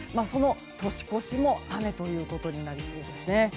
年越しも雨ということになりそうですね。